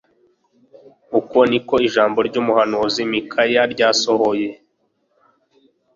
Uko ni ko ijambo ryumuhanuzi Mikaya ryasohoye